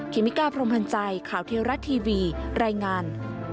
ครีมิก้าพรมพันธ์ใจข่าวเที่ยวรักทีวีรายงาน